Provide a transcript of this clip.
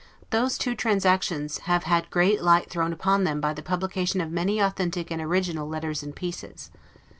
Those two transactions have had great light thrown upon them by the publication of many authentic and original letters and pieces.